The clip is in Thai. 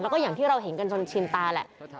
แล้วก็อย่างที่เราเห็นกันจนชินตาแหละ